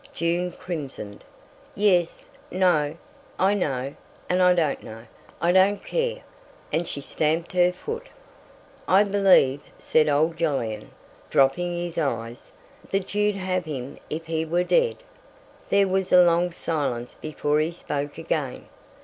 June crimsoned. "Yes—no! I know—and I don't know—I don't care!" and she stamped her foot. "I believe," said old Jolyon, dropping his eyes, "that you'd have him if he were dead!" There was a long silence before he spoke again.